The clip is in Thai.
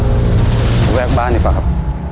ระแวกบ้านเนี่ยฟะครับ